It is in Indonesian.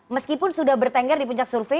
meskipun sudah bertengger di puncak survei